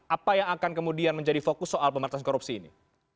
apa yang akan kemudian menjadi fokus soal pemerintahan korupsi ini